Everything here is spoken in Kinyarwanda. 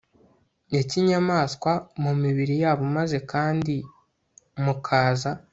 ya kinyamaswa mu mibiri yabo maze kandi mukaza